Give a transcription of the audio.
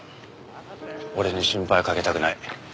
俺に心配かけたくない。